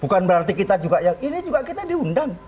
bukan berarti kita juga yang ini juga kita diundang